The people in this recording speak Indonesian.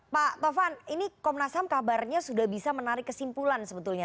pak tovan ini komnas ham kabarnya sudah bisa menarik kesimpulan sebetulnya